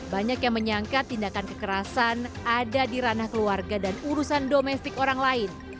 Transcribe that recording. banyak yang menyangka tindakan kekerasan ada di ranah keluarga dan urusan domestik orang lain